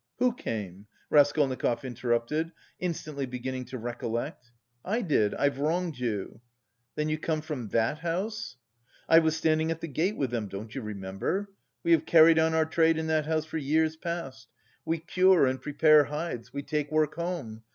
"Who came?" Raskolnikov interrupted, instantly beginning to recollect. "I did, I've wronged you." "Then you come from that house?" "I was standing at the gate with them... don't you remember? We have carried on our trade in that house for years past. We cure and prepare hides, we take work home...